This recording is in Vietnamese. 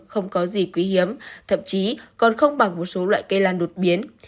không có gì quý hiếm thậm chí còn không bằng một số loại cây lan đột biến